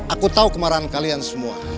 aku tahu kemarahan kalian semua